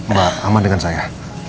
mbak aman dengan saya